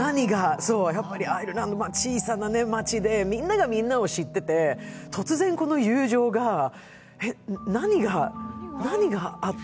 アイルランドの小さな町でみんながみんなを知ってて、突然この友情が、何があって？